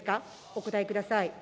お答えください。